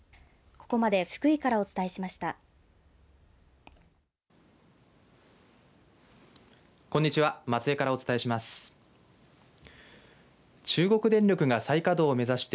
ここまで福井からお伝えしました。